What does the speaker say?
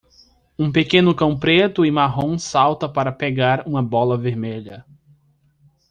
Um pequeno cão preto e marrom salta para pegar uma bola vermelha.